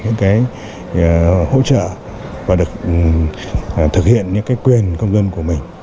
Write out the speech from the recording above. những cái hỗ trợ và được thực hiện những cái quyền công dân của mình